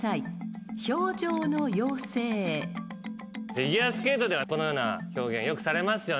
フィギュアスケートではこのような表現よくされますよね。